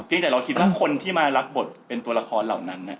แต่เราคิดว่าคนที่มารับบทเป็นตัวละครเหล่านั้น